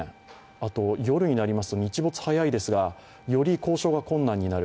あとは、夜になりますと日没早いですが、より交渉が困難になる。